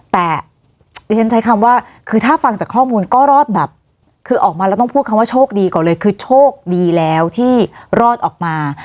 แต่ดิฉันใช้คำว่าคือถ้าฟังจากข้อมูลก็รอดแบบคือออกมาแล้วต้องพูดคำว่าโชคดีก่อนเลยคือโชคดีแล้วที่รอดออกมา